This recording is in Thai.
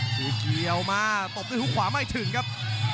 คือเกี่ยวมาตบด้วยฮุกขวาไม่ถึงครับ